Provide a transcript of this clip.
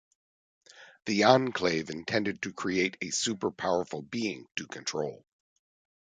The Enclave intended to create a super-powerful being to control.